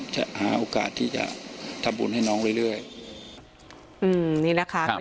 จะหาโอกาสที่จะทำบุญให้น้องเรื่อยเรื่อยอืมนี่นะคะครับ